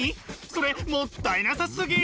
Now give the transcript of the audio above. それもったいなさすぎ！